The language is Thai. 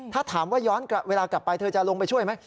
ถ้าถามว่าย้อนเวลากลับไปเธอจะลงไปช่วยไหม